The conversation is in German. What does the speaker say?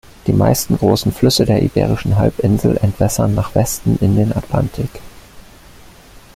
Die meisten großen Flüsse der iberischen Halbinsel entwässern nach Westen in den Atlantik.